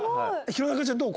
弘中ちゃんどう？